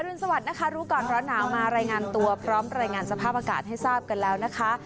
รุนสวัสดินะคะรู้ก่อนร้อนหนาวมารายงานตัวพร้อมรายงานสภาพอากาศให้ทราบกันแล้วนะคะ